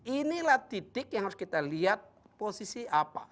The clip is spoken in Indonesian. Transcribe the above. inilah titik yang harus kita lihat posisi apa